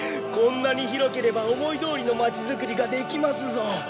こんなに広ければ思いどおりの町づくりができますぞ。